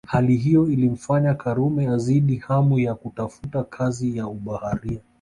Hali hiyo ilimfanya Karume azidi hamu na kutafuta kazi ya ubaharia